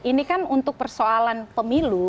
ini kan untuk persoalan pemilu